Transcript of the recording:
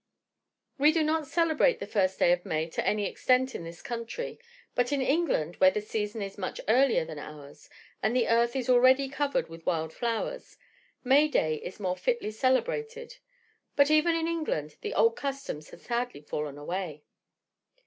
We do not celebrate the first day of May to any extent in this country, but in England, where the season is much earlier than ours, and the earth is already covered with wild flowers, May day is more fitly celebrated; but even in England the old customs have sadly fallen away.